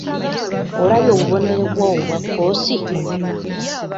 Olabye obubonero bwo obwa kkoosi?